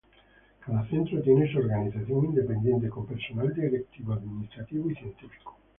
Cada centro tiene su organización independiente con personal directivo, administrativo y científico.